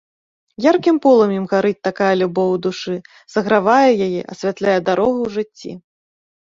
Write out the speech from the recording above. Яркім полымем гарыць такая любоў у душы, сагравае яе, асвятляе дарогу ў жыцці.